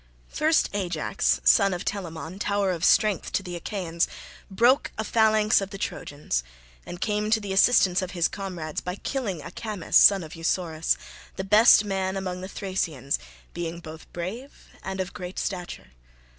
First, Ajax son of Telamon, tower of strength to the Achaeans, broke a phalanx of the Trojans, and came to the assistance of his comrades by killing Acamas son of Eussorus, the best man among the Thracians, being both brave and of great stature.